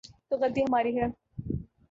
تو غلطی ہماری ہے۔